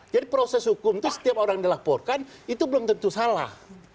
proses hukum itu setiap orang dilaporkan itu belum tentu salah